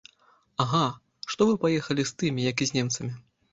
Ага, што вы паехалі з тымі, як і з немцамі.